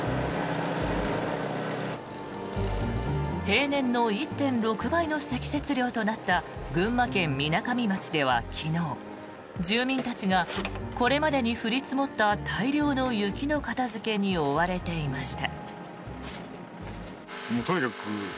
平年の１．６倍の積雪量となった群馬県みなかみ町では昨日住民たちがこれまでに降り積もった大量の雪の片付けに追われていました。